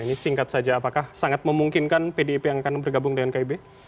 ini singkat saja apakah sangat memungkinkan pdip yang akan bergabung dengan kib